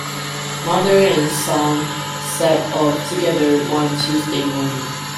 Mother and son set off together one Tuesday morning.